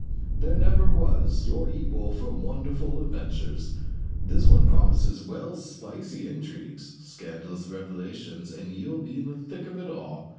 There never was your equal for wonderful adventures. This one promises well spicy intrigues, scandalous revelations, and you'll be in the thick of it all.